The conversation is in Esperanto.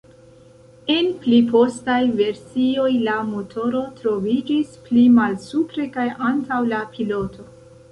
En pli postaj versioj la motoro troviĝis pli malsupre kaj antaŭ la piloto.